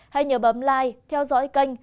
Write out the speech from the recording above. hãy nhớ bấm like theo dõi kênh